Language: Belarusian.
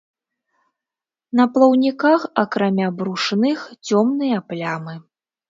На плаўніках, акрамя брушных, цёмныя плямы.